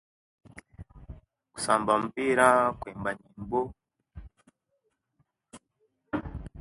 Kusamba mupira owemba nyembo